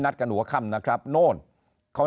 นายกรัฐมนตรีพูดเรื่องการปราบเด็กแว่น